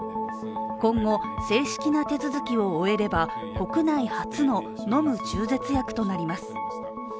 今後、正式な手続きを終えれば国内初の飲む中絶薬となります。